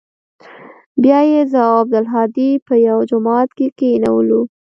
بيا يې زه او عبدالهادي په يوه جماعت کښې کښېنولو.